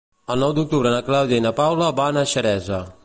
El nou d'octubre na Clàudia i na Paula van a Xeresa.